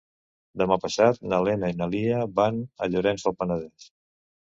Demà passat na Lena i na Lia van a Llorenç del Penedès.